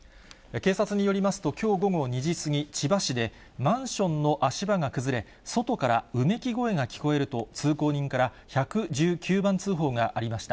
警察によりますと、きょう午後２時過ぎ、千葉市で、マンションの足場が崩れ、外からうめき声が聞こえると、通行人から１１９番通報がありました。